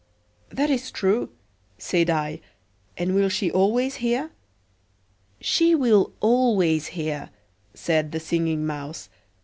"That is true," said I. "And will she always hear?" "She will always hear," said the Singing Mouse.